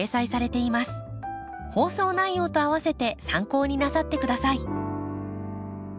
放送内容と併せて参考になさってください。